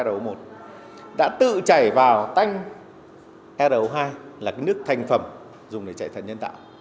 ro một đã tự chảy vào tanh ro hai là cái nước thành phẩm dùng để chạy thận nhân tạo